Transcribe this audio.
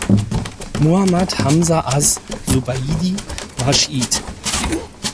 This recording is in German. Muhammad Hamza az-Zubaidi war Schiit.